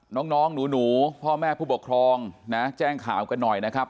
น้องหนูพ่อแม่ผู้ปกครองนะแจ้งข่าวกันหน่อยนะครับ